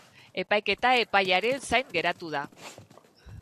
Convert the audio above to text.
Epaiketa epaiaren zain geratu da.